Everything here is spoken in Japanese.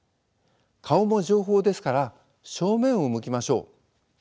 顔も情報ですから正面を向きましょう。